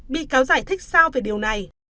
bị cáo giải thích sao về điều này